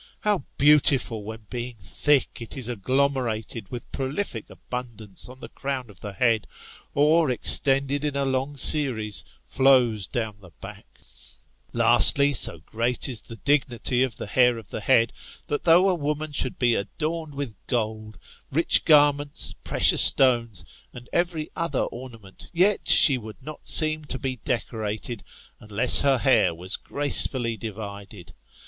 How beautiful, when being thick, it is agglomerated with prolific abundance on the crown of the head, or extended in a long series flows down the back ! Lastly, so gre^^is the dignity of the hair of the head, that though a woman should be adorned with gold, ridi garments, precious stones, and every other ornament, yet she would not seem to be decorated, unless her hair was gracefully divided.